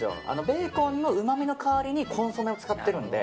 ベーコンのうまみの代わりにコンソメを使っているので。